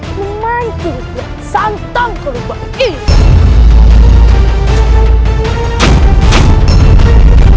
memanggil santan perubahan ini